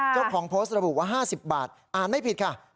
เจ้าของโพสต์ระบุว่า๕๐บาทอ่านไม่ผิดค่ะ